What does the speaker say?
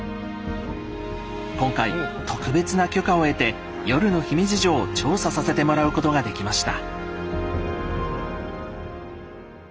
今回特別な許可を得て夜の姫路城を調査させてもらうことができました。